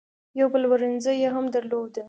یو پلورنځی یې هم درلود.